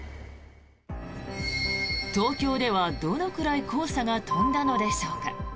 東京ではどのくらい黄砂が飛んだのでしょうか。